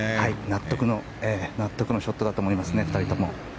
納得のショットだと思いますね、２人とも。